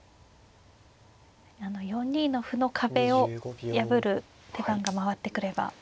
４二の歩の壁を破る手番が回ってくれば。